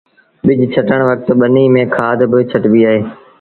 ٻج ڇٽڻ وکت ٻنيٚ ميݩ کآڌ با ڇٽبيٚ اهي